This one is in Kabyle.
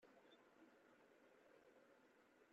Ttqadaren tabɣest-nwent.